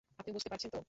আপনি বুঝতে পারছেন তো?